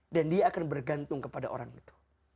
dan dia akan bergantung kepada orang itu